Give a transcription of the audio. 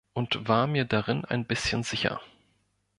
Und war mir darin ein bisschen sicher.